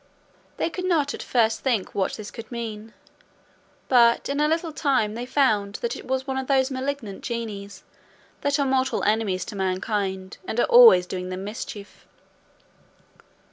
They could not at first think what this could mean, but in a little time they found that it was one of those malignant genies that are mortal enemies to mankind, and are always doing them mischief.